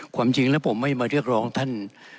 ความจริงแล้วผมไม่มาเรียกร้องท่าน